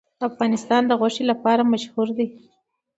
افغانستان د غوښې لپاره مشهور دی.